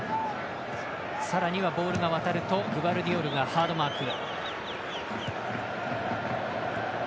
さらにはボールが渡るとグバルディオルがハードマーク。